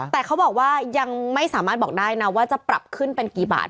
แต่เขาบอกว่ายังไม่สามารถบอกได้นะว่าจะปรับขึ้นเป็นกี่บาท